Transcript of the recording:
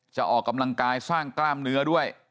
ออกกำลังกายสร้างกล้ามเนื้อด้วย